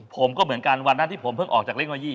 ผมก็เหมือนกันวันนั้นที่ผมเพิ่งออกจากเลข๑๒๐